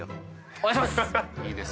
お願いします！